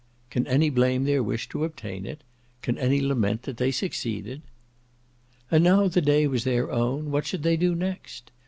Can any blame their wish to obtain it? Can any lament that they succeeded? And now the day was their own, what should they do next?